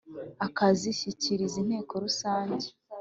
akazishyikiriza Inteko rusange